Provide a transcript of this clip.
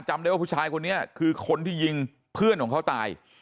จำได้ว่าผู้ชายคนนี้คือคนที่ยิงเพื่อนของเขาตาย